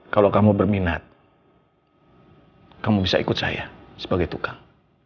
kalau kamu berminat kamu bisa ikut saya sebagai tukang